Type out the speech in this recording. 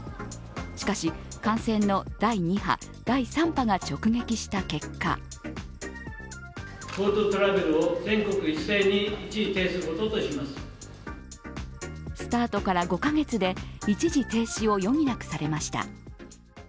しかし感染の第２波、第３波が直撃した結果スタートから５カ月で一時停止を余儀なくされました。